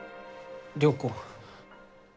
良子。